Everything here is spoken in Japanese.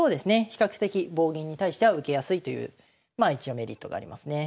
比較的棒銀に対しては受けやすいというまあ一応メリットがありますね。